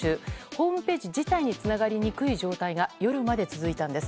ホームページ自体につながりにくい状態が夜まで続いたんです。